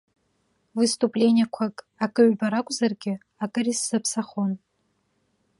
Выступлениақәак, акы-ҩба ракәзаргьы, акыр исзаԥсахон.